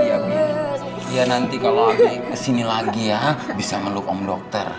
iya iya iya nanti kalau abi kesini lagi ya bisa meluk om dokter